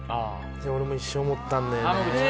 俺も一瞬思ったんだよね。